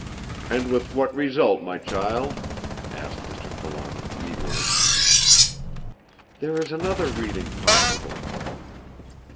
"And with what result, my child?" asked Mr. Trelawny eagerly. "There is another reading possible!"